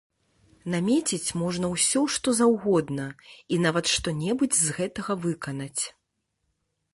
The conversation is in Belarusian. Намеціць можна ўсё, што заўгодна, і нават што-небудзь з гэтага выканаць.